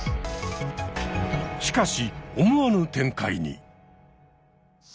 しかし思わぬ展開に！